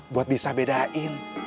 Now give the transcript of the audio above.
buat bisa bedain